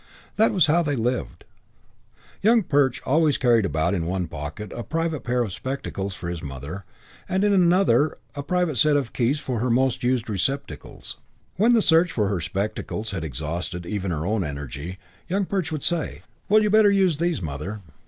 That was how they lived. Young Perch always carried about in one pocket a private pair of spectacles for his mother and in another a private set of keys for her most used receptacles. When the search for her spectacles had exhausted even her own energy, Young Perch would say, "Well, you'd better use these, Mother."